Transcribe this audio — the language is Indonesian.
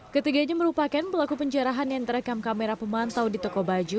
ketiganya merupakan pelaku penjarahan yang terekam kamera pemantau di toko baju